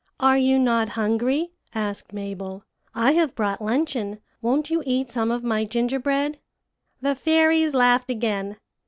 "'Are you not hungry?' asked Mabel. 'I have brought luncheon. Won't you eat some of my gingerbread?' "The fairies laughed again.